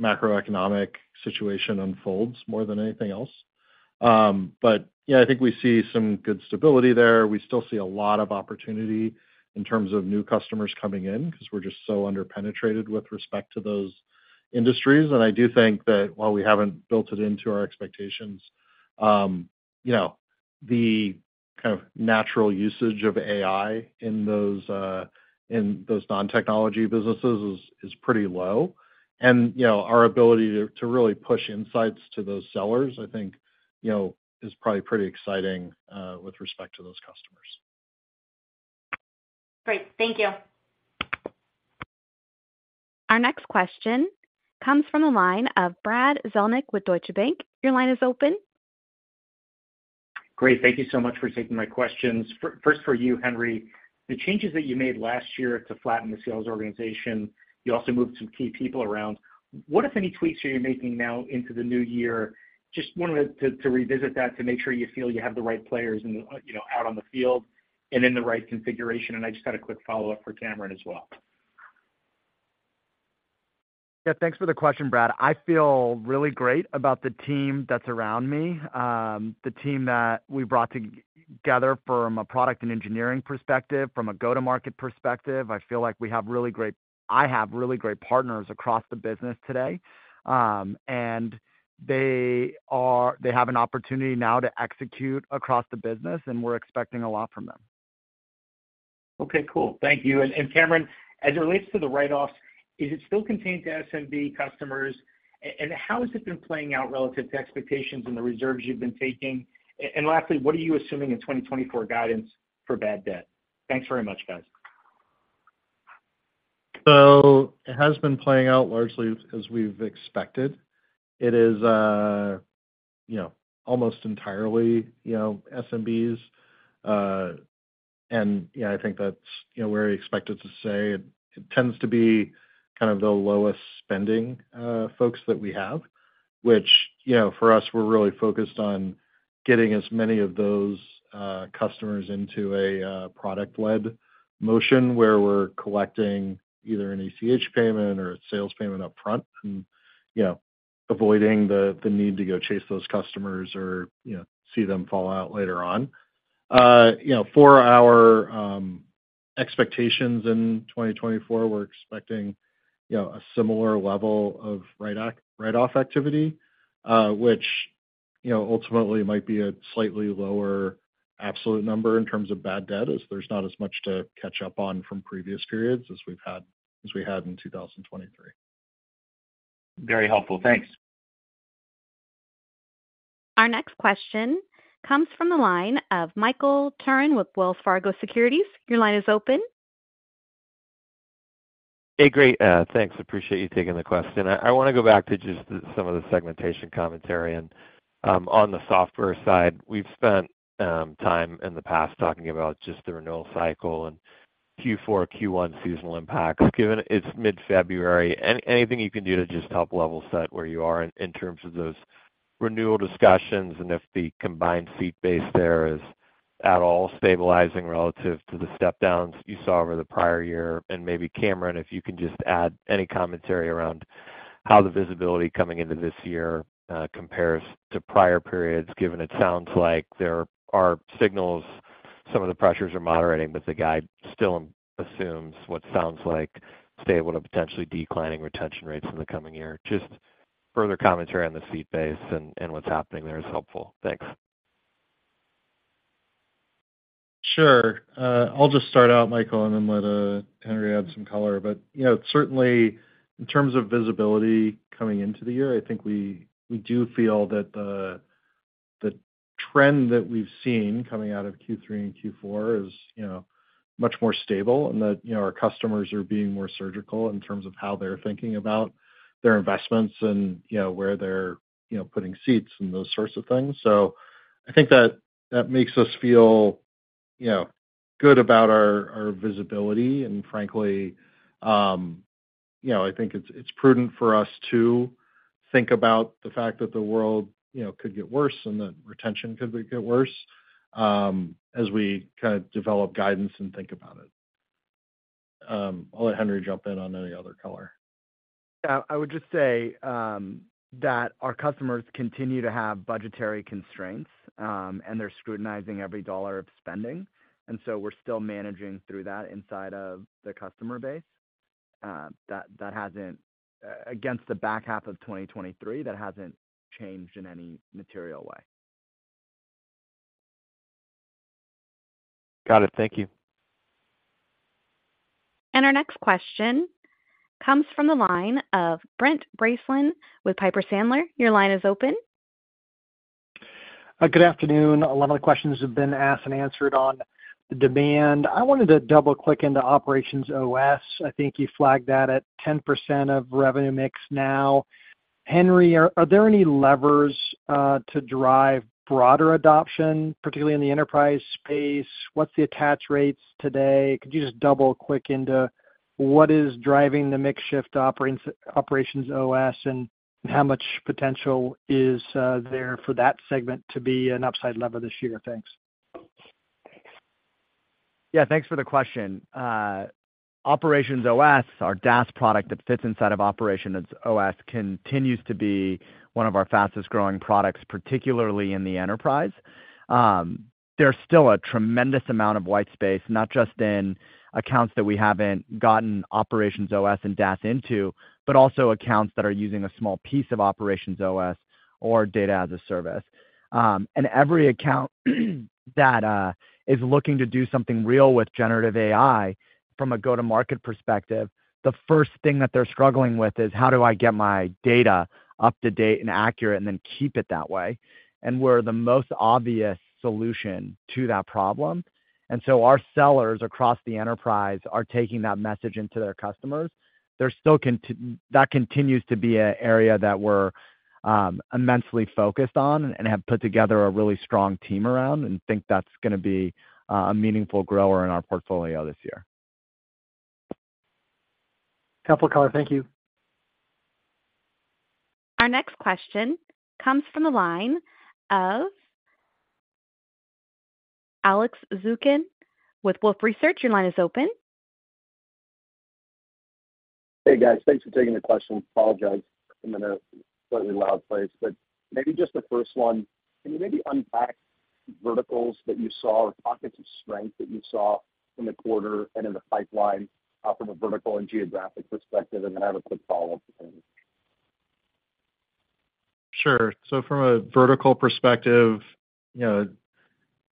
macroeconomic situation unfolds more than anything else. But I think we see some good stability there. We still see a lot of opportunity in terms of new customers coming in because we're just so underpenetrated with respect to those industries. And I do think that while we haven't built it into our expectations, the kind of natural usage of AI in those non-technology businesses is pretty low. Our ability to really push insights to those sellers, I think, is probably pretty exciting with respect to those customers. Great. Thank you. Our next question comes from the line of Brad Zelnick with Deutsche Bank. Your line is open. Great. Thank you so much for taking my questions. First, for you, Henry, the changes that you made last year to flatten the sales organization, you also moved some key people around. What, if any, tweaks are you making now into the new year? Just wanted to revisit that to make sure you feel you have the right players out on the field and in the right configuration. And I just had a quick follow-up for Cameron as well. Yeah. Thanks for the question, Brad. I feel really great about the team that's around me, the team that we brought together from a product and engineering perspective, from a go-to-market perspective. I feel like we have really great partners across the business today, and they have an opportunity now to execute across the business, and we're expecting a lot from them. Okay. Cool. Thank you. And Cameron, as it relates to the write-offs, is it still contained to SMB customers? And how has it been playing out relative to expectations and the reserves you've been taking? And lastly, what are you assuming in 2024 guidance for bad debt? Thanks very much, guys. So it has been playing out largely as we've expected. It is almost entirely SMBs. I think that's where we expected to stay. It tends to be kind of the lowest spending folks that we have, which for us, we're really focused on getting as many of those customers into a product-led motion where we're collecting either an ACH payment or a sales payment upfront and avoiding the need to go chase those customers or see them fall out later on. For our expectations in 2024, we're expecting a similar level of write-off activity, which ultimately might be a slightly lower absolute number in terms of bad debt as there's not as much to catch up on from previous periods as we had in 2023. Very helpful. Thanks. Our next question comes from the line of Michael Turrin with Wells Fargo Securities. Your line is open. Hey, great. Thanks. Appreciate you taking the question. I want to go back to just some of the segmentation commentary. And on the software side, we've spent time in the past talking about just the renewal cycle and Q4, Q1 seasonal impacts. Given it's mid-February, anything you can do to just help level set where you are in terms of those renewal discussions and if the combined seat base there is at all stabilizing relative to the stepdowns you saw over the prior year? And maybe, Cameron, if you can just add any commentary around how the visibility coming into this year compares to prior periods, given it sounds like there are signals some of the pressures are moderating, but the guide still assumes what sounds like stable to potentially declining retention rates in the coming year. Just further commentary on the seat base and what's happening there is helpful. Thanks. Sure. I'll just start out, Michael, and then let Henry add some color. But certainly, in terms of visibility coming into the year, I think we do feel that the trend that we've seen coming out of Q3 and Q4 is much more stable and that our customers are being more surgical in terms of how they're thinking about their investments and where they're putting seats and those sorts of things. So I think that makes us feel good about our visibility. And frankly, I think it's prudent for us to think about the fact that the world could get worse and that retention could get worse as we kind of develop guidance and think about it. I'll let Henry jump in on any other color. Yeah. I would just say that our customers continue to have budgetary constraints, and they're scrutinizing every dollar of spending. And so we're still managing through that inside of the customer base. Against the back half of 2023, that hasn't changed in any material way. Got it. Thank you. Our next question comes from the line of Brent Bracelin with Piper Sandler. Your line is open. Good afternoon. A lot of the questions have been asked and answered on the demand. I wanted to double-click into OperationsOS. I think you flagged that at 10% of revenue mix now. Henry, are there any levers to drive broader adoption, particularly in the enterprise space? What's the attach rates today? Could you just double-click into what is driving the mix shift OperationsOS, and how much potential is there for that segment to be an upside lever this year? Thanks. Yeah. Thanks for the question. OperationsOS, our DaaS product that fits inside of OperationsOS, continues to be one of our fastest-growing products, particularly in the enterprise. There's still a tremendous amount of white space, not just in accounts that we haven't gotten OperationsOS and DaaS into, but also accounts that are using a small piece of OperationsOS or data as a service. And every account that is looking to do something real with generative AI from a go-to-market perspective, the first thing that they're struggling with is, "How do I get my data up-to-date and accurate and then keep it that way?" And we're the most obvious solution to that problem. And so our sellers across the enterprise are taking that message into their customers. That continues to be an area that we're immensely focused on and have put together a really strong team around and think that's going to be a meaningful grower in our portfolio this year. Couple of color. Thank you. Our next question comes from the line of Alex Zukin with Wolfe Research. Your line is open. Hey, guys. Thanks for taking the question. Apologize. I'm in a slightly loud place. But maybe just the first one, can you maybe unpack verticals that you saw or pockets of strength that you saw in the quarter and in the pipeline from a vertical and geographic perspective? And then I have a quick follow-up to Henry. Sure. So from a vertical perspective, it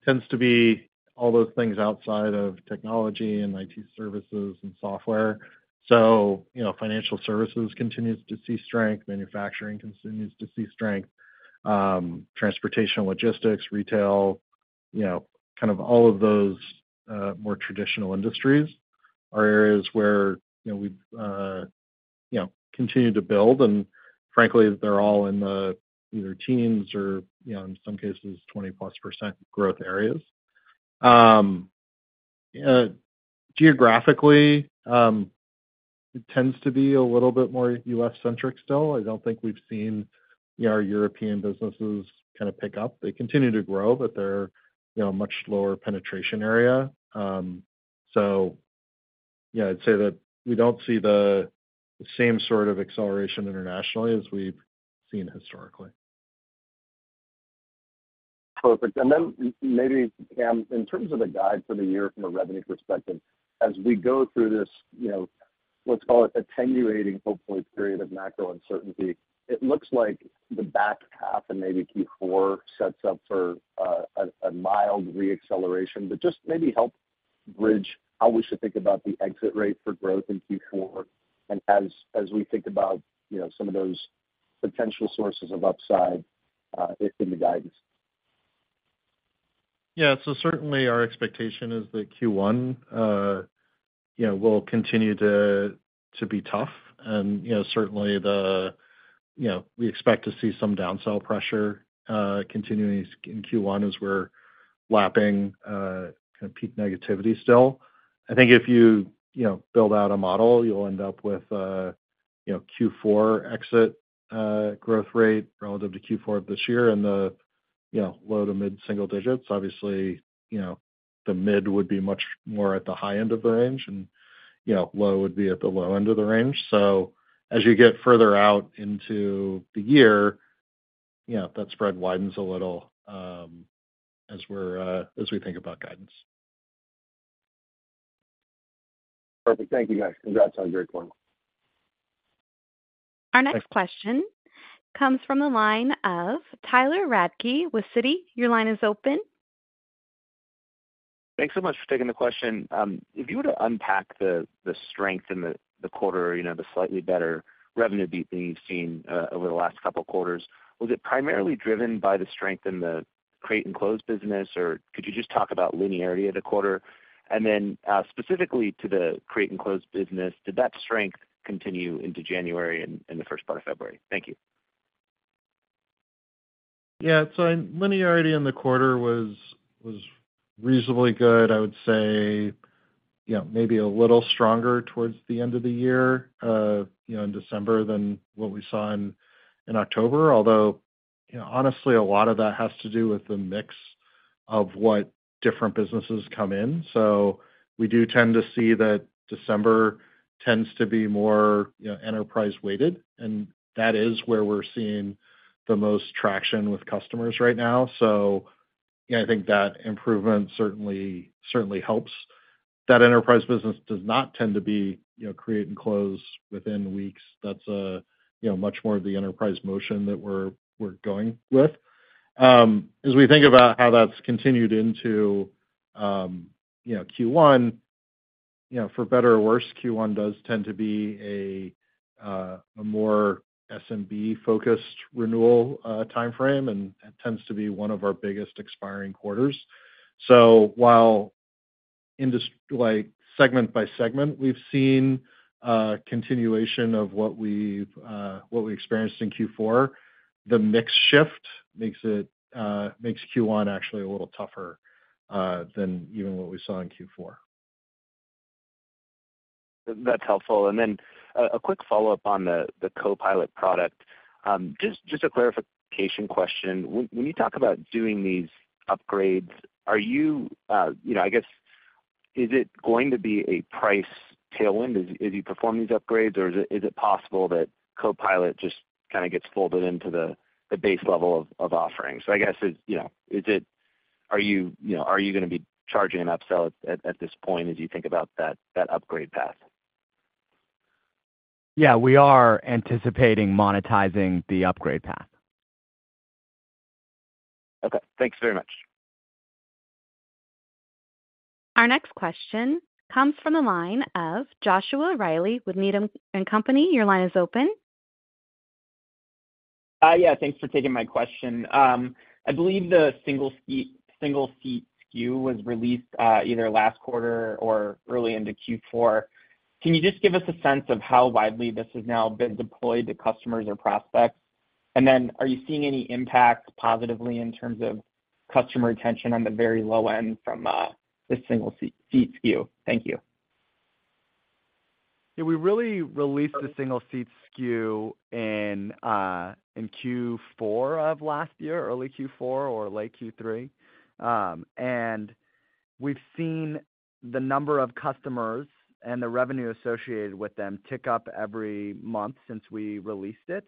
tends to be all those things outside of technology and IT services and software. So financial services continues to see strength. Manufacturing continues to see strength. Transportation, logistics, retail, kind of all of those more traditional industries are areas where we've continued to build. And frankly, they're all in the either teens or, in some cases, 20%+ growth areas. Geographically, it tends to be a little bit more U.S.-centric still. I don't think we've seen our European businesses kind of pick up. They continue to grow, but they're a much lower penetration area. So I'd say that we don't see the same sort of acceleration internationally as we've seen historically. Perfect. And then maybe, Cam, in terms of the guide for the year from a revenue perspective, as we go through this, let's call it, attenuating, hopefully, period of macro uncertainty, it looks like the back half and maybe Q4 sets up for a mild reacceleration. But just maybe help bridge how we should think about the exit rate for growth in Q4 and as we think about some of those potential sources of upside in the guidance. Yeah. So certainly, our expectation is that Q1 will continue to be tough. Certainly, we expect to see some downsell pressure continuing in Q1 as we're lapping kind of peak negativity still. I think if you build out a model, you'll end up with a Q4 exit growth rate relative to Q4 of this year in the low- to mid-single digits. Obviously, the mid would be much more at the high end of the range, and low would be at the low end of the range. So as you get further out into the year, that spread widens a little as we think about guidance. Perfect. Thank you, guys. Congrats on a great one. Our next question comes from the line of Tyler Radke with Citi. Your line is open. Thanks so much for taking the question. If you were to unpack the strength in the quarter, the slightly better revenue beating you've seen over the last couple of quarters, was it primarily driven by the strength in the create-and-close business, or could you just talk about linearity of the quarter? And then specifically to the create-and-close business, did that strength continue into January and the first part of February? Thank you. Yeah. So linearity in the quarter was reasonably good, I would say maybe a little stronger towards the end of the year in December than what we saw in October, although honestly, a lot of that has to do with the mix of what different businesses come in. So we do tend to see that December tends to be more enterprise-weighted, and that is where we're seeing the most traction with customers right now. So I think that improvement certainly helps. That enterprise business does not tend to be create-and-close within weeks. That's much more of the enterprise motion that we're going with. As we think about how that's continued into Q1, for better or worse, Q1 does tend to be a more SMB-focused renewal timeframe, and it tends to be one of our biggest expiring quarters. So while segment by segment, we've seen continuation of what we experienced in Q4. The mix shift makes Q1 actually a little tougher than even what we saw in Q4. That's helpful. And then a quick follow-up on the Copilot product. Just a clarification question. When you talk about doing these upgrades, I guess, is it going to be a price tailwind as you perform these upgrades, or is it possible that Copilot just kind of gets folded into the base level of offering? So I guess, are you going to be charging an upsell at this point as you think about that upgrade path? Yeah. We are anticipating monetizing the upgrade path. Okay. Thanks very much. Our next question comes from the line of Joshua Reilly with Needham & Company. Your line is open. Yeah. Thanks for taking my question. I believe the single-seat SKU was released either last quarter or early into Q4. Can you just give us a sense of how widely this has now been deployed to customers or prospects? And then are you seeing any impact positively in terms of customer retention on the very low end from the single-seat SKU? Thank you. Yeah. We really released the single-seat SKU in Q4 of last year, early Q4 or late Q3. And we've seen the number of customers and the revenue associated with them tick up every month since we released it.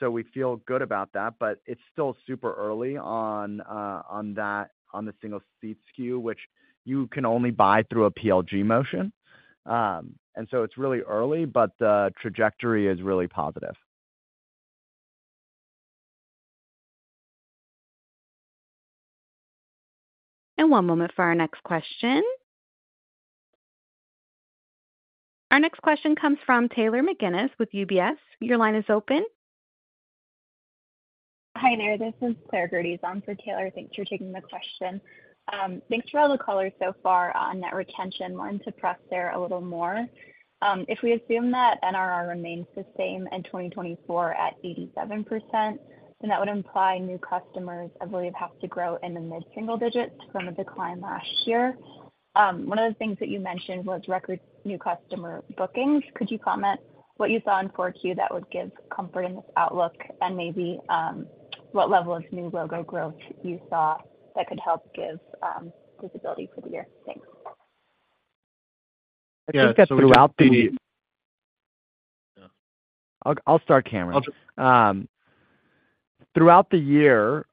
So we feel good about that. But it's still super early on the single-seat SKU, which you can only buy through a PLG motion. And so it's really early, but the trajectory is really positive. One moment for our next question. Our next question comes from Taylor McGinnis with UBS. Your line is open. Hi there. This is Claire Geraghty. I'm for Taylor. Thanks for taking the question. Thanks for all the color so far on net retention. I wanted to press there a little more. If we assume that NRR remains the same in 2024 at 87%, then that would imply new customers, I believe, have to grow in the mid-single digits from a decline last year. One of the things that you mentioned was record new customer bookings. Could you comment what you saw in 4Q that would give comfort in this outlook, and maybe what level of new logo growth you saw that could help give visibility for the year? Thanks. I think that throughout the year, I'll start, Cameron. Throughout the year,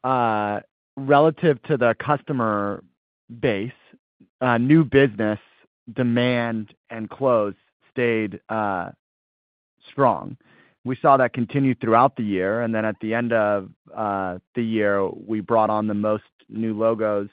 relative to the customer base, new business demand and close stayed strong. We saw that continue throughout the year. And then at the end of the year, we brought on the most new logos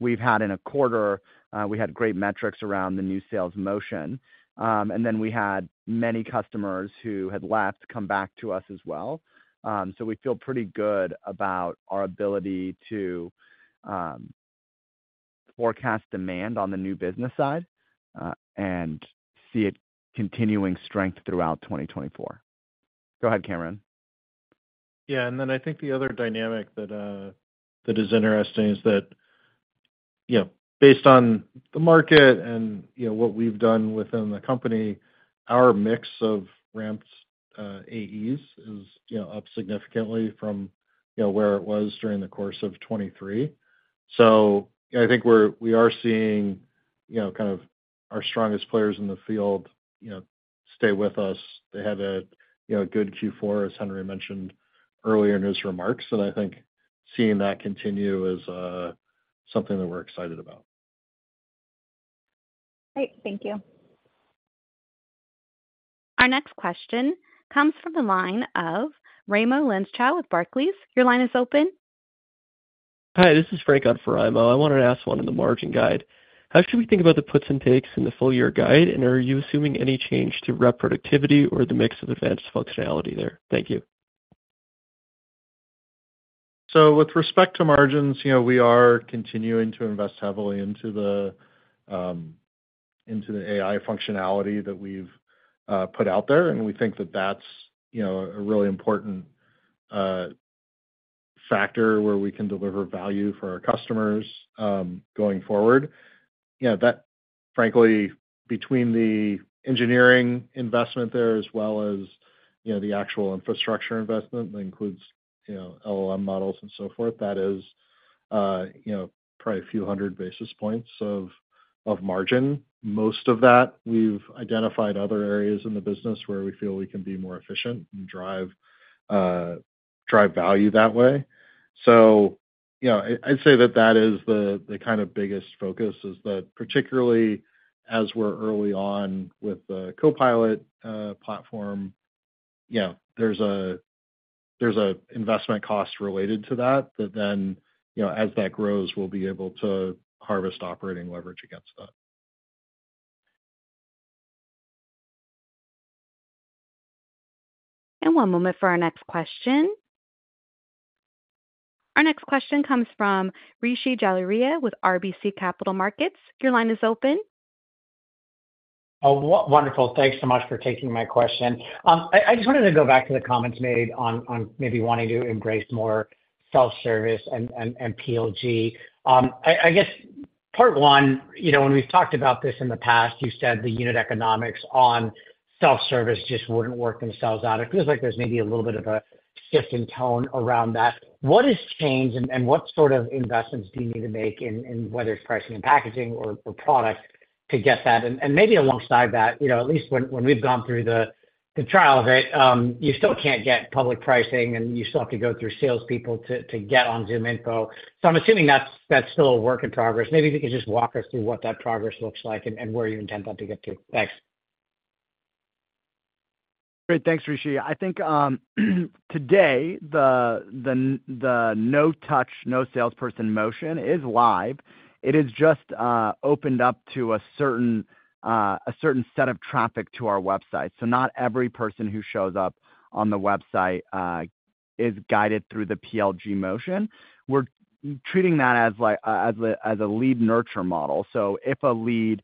we've had in a quarter. We had great metrics around the new sales motion. And then we had many customers who had left come back to us as well. So we feel pretty good about our ability to forecast demand on the new business side and see it continuing strength throughout 2024. Go ahead, Cameron. Yeah. And then I think the other dynamic that is interesting is that based on the market and what we've done within the company, our mix of ramped AEs is up significantly from where it was during the course of 2023. So I think we are seeing kind of our strongest players in the field stay with us. They had a good Q4, as Henry mentioned earlier in his remarks. And I think seeing that continue is something that we're excited about. Great. Thank you. Our next question comes from the line of Raimo Lenschow with Barclays. Your line is open. Hi. This is Frank Surace. I wanted to ask a question on the margin guide. How should we think about the puts and takes in the full-year guide, and are you assuming any change to productivity or the mix of advanced functionality there? Thank you. So with respect to margins, we are continuing to invest heavily into the AI functionality that we've put out there. And we think that that's a really important factor where we can deliver value for our customers going forward. Frankly, between the engineering investment there as well as the actual infrastructure investment that includes LLM models and so forth, that is probably a few hundred basis points of margin. Most of that, we've identified other areas in the business where we feel we can be more efficient and drive value that way. So I'd say that that is the kind of biggest focus, is that particularly as we're early on with the Copilot platform, there's an investment cost related to that that then, as that grows, we'll be able to harvest operating leverage against that. One moment for our next question. Our next question comes from Rishi Jaluria with RBC Capital Markets. Your line is open. Wonderful. Thanks so much for taking my question. I just wanted to go back to the comments made on maybe wanting to embrace more self-service and PLG. I guess part one, when we've talked about this in the past, you said the unit economics on self-service just wouldn't work themselves out. It feels like there's maybe a little bit of a shift in tone around that. What has changed, and what sort of investments do you need to make in whether it's pricing and packaging or product to get that? And maybe alongside that, at least when we've gone through the trial of it, you still can't get public pricing, and you still have to go through salespeople to get on ZoomInfo. So I'm assuming that's still a work in progress. Maybe if you could just walk us through what that progress looks like and where you intend that to get to. Thanks. Great. Thanks, Rishi. I think today, the no-touch, no-salesperson motion is live. It has just opened up to a certain set of traffic to our website. So not every person who shows up on the website is guided through the PLG motion. We're treating that as a lead nurture model. So if a lead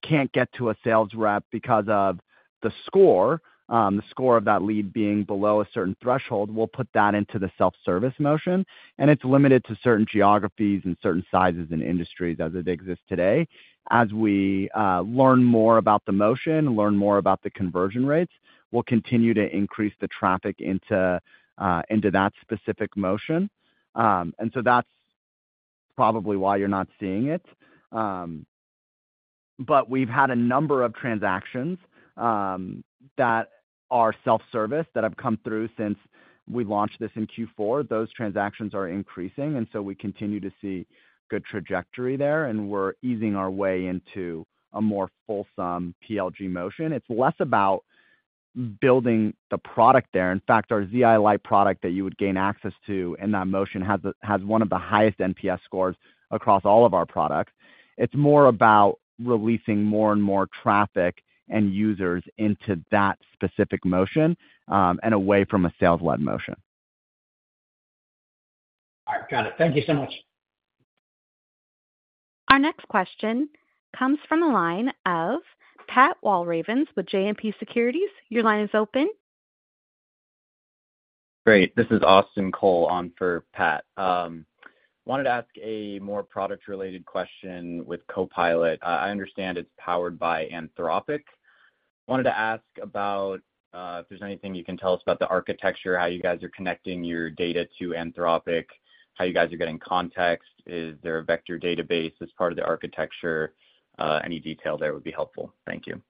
can't get to a sales rep because of the score, the score of that lead being below a certain threshold, we'll put that into the self-service motion. And it's limited to certain geographies and certain sizes and industries as it exists today. As we learn more about the motion and learn more about the conversion rates, we'll continue to increase the traffic into that specific motion. And so that's probably why you're not seeing it. But we've had a number of transactions that are self-service that have come through since we launched this in Q4. Those transactions are increasing. And so we continue to see good trajectory there, and we're easing our way into a more fulsome PLG motion. It's less about building the product there. In fact, our ZI Lite product that you would gain access to in that motion has one of the highest NPS scores across all of our products. It's more about releasing more and more traffic and users into that specific motion and away from a sales-led motion. All right. Got it. Thank you so much. Our next question comes from the line of Pat Walravens with JMP Securities. Your line is open. Great. This is Austin Cole on for Pat. Wanted to ask a more product-related question with Copilot. I understand it's powered by Anthropic. Wanted to ask about if there's anything you can tell us about the architecture, how you guys are connecting your data to Anthropic, how you guys are getting context. Is there a vector database as part of the architecture? Any detail there would be helpful. Thank you.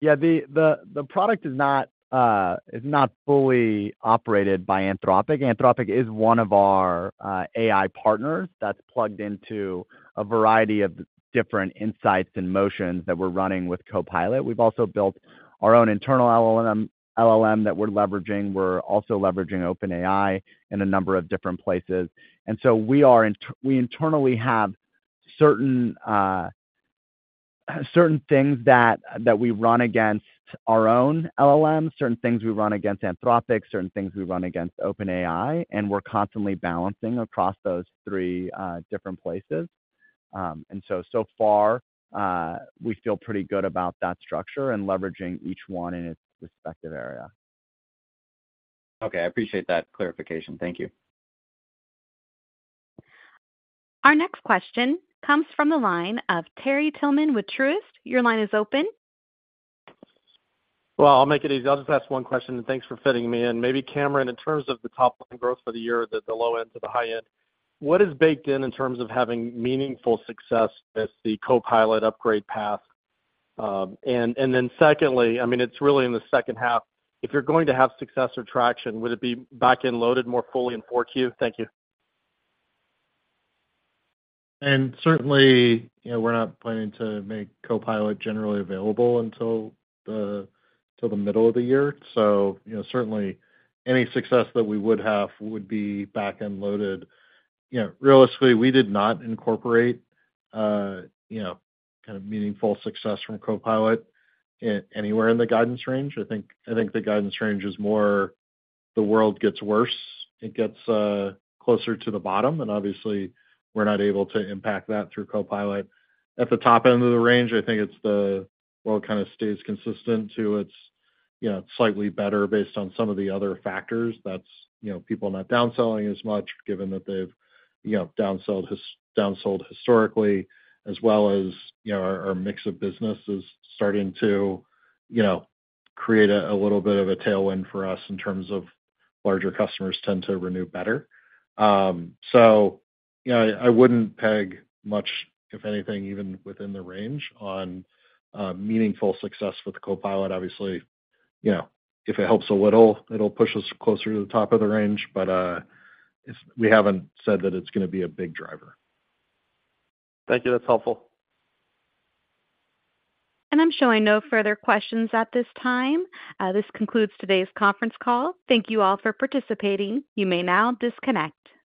Yeah. The product is not fully operated by Anthropic. Anthropic is one of our AI partners that's plugged into a variety of different insights and motions that we're running with Copilot. We've also built our own internal LLM that we're leveraging. We're also leveraging OpenAI in a number of different places. And so we internally have certain things that we run against our own LLM, certain things we run against Anthropic, certain things we run against OpenAI, and we're constantly balancing across those three different places. And so far, we feel pretty good about that structure and leveraging each one in its respective area. Okay. I appreciate that clarification. Thank you. Our next question comes from the line of Terry Tillman with Truist. Your line is open. Well, I'll make it easy. I'll just ask one question. And thanks for fitting me in. Maybe, Cameron, in terms of the top-line growth for the year, the low end to the high end, what is baked in in terms of having meaningful success with the Copilot upgrade path? And then secondly, I mean, it's really in the second half. If you're going to have success or traction, would it be back-end loaded more fully in 4Q? Thank you. And certainly, we're not planning to make Copilot generally available until the middle of the year. So certainly, any success that we would have would be back-end loaded. Realistically, we did not incorporate kind of meaningful success from Copilot anywhere in the guidance range. I think the guidance range is more the world gets worse, it gets closer to the bottom, and obviously, we're not able to impact that through Copilot. At the top end of the range, I think it's the world kind of stays consistent to it's slightly better based on some of the other factors. That's people not downselling as much, given that they've downsold historically, as well as our mix of business is starting to create a little bit of a tailwind for us in terms of larger customers tend to renew better. So I wouldn't peg much, if anything, even within the range on meaningful success with Copilot. Obviously, if it helps a little, it'll push us closer to the top of the range. But we haven't said that it's going to be a big driver. Thank you. That's helpful. I'm showing no further questions at this time. This concludes today's conference call. Thank you all for participating. You may now disconnect.